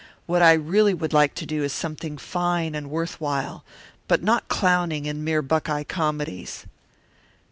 What I really would like to do is something fine and worth while, but not clowning in mere Buckeye comedies."